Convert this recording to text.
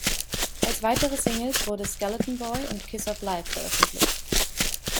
Als weitere Singles wurde "Skeleton Boy" und "Kiss Of Life" veröffentlicht.